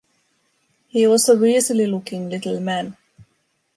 He was a weaselly-looking little man.